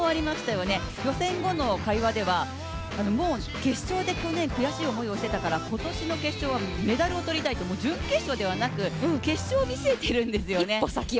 予選後の会話ではもう決勝で去年悔しい思いをしたから今年の決勝はメダルをとりたいと、準決勝ではなく、決勝を見据えているんですよね。